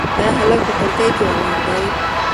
ایا هلک په کړکۍ کې ولاړ دی؟